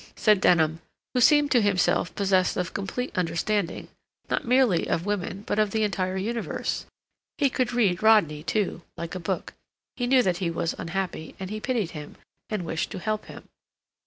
"Um," said Denham, who seemed to himself possessed of complete understanding, not merely of women, but of the entire universe. He could read Rodney, too, like a book. He knew that he was unhappy, and he pitied him, and wished to help him.